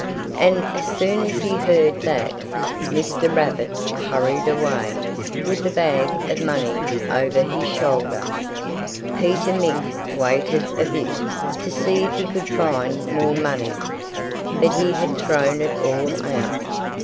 And as soon as he heard that, Mr. Rabbit hurried away, with the bag of money over his shoulder. Peter Mink waited a bit, to see if he could find more money. But he had thrown it all out.